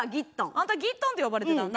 あんた「ギットン」って呼ばれてたの？